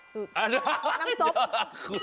สูตรน้ำซบ